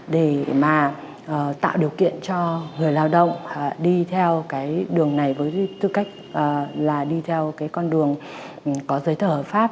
để mà tạo điều kiện cho người lao động đi theo cái đường này với tư cách là đi theo cái con đường có giấy thờ hợp pháp